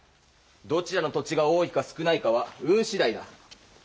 どちらの土地が多いか少ないかは運次第だ。